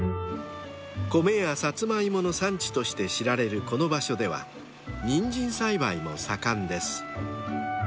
［米やサツマイモの産地として知られるこの場所ではニンジン栽培も盛んです］